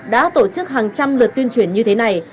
đã tổ chức hàng trăm lượt tuyên truyền như thế này